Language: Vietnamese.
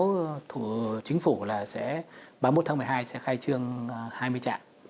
nếu thủ chính phủ là ba mươi một tháng một mươi hai sẽ khai trương hai mươi trạm